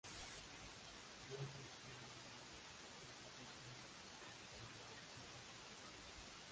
Walter escribe números en sus víctimas para señalar ese ritual.